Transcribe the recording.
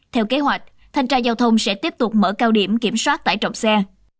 theo kế hoạch thanh tra giao thông sẽ tiếp tục mở cao điểm kiểm soát tải trọng xe